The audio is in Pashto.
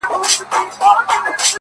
o څه ته مي زړه نه غواړي؛